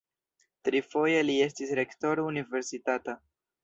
Trifoje li estis rektoro universitata.